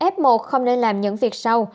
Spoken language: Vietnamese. f một không nên làm những việc sau